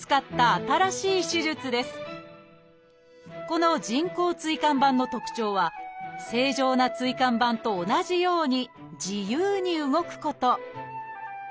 この人工椎間板の特徴は正常な椎間板と同じように自由に動くこと